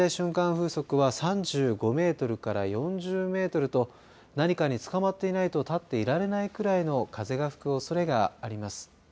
風速は３５メートルから４０メートルと何かにつかまっていないと立っていられないくらいの風が吹くおそれがあります。